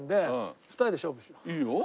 いいよ。